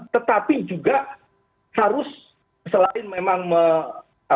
tetapi juga harus selain memang